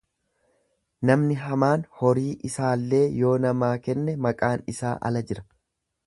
Namni hamaan horii isaallee yoo namaa kenne maqaan isaa ala jira.